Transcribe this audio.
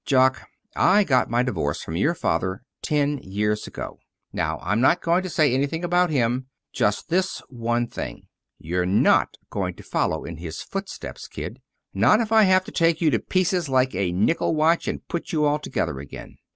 Jock, I got my divorce from your father ten years ago. Now, I'm not going to say anything about him. Just this one thing. You're not going to follow in his footsteps, Kid. Not if I have to take you to pieces like a nickel watch and put you all together again.